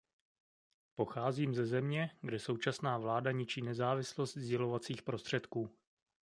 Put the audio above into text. Pocházím ze země, kde současná vláda ničí nezávislost sdělovacích prostředků.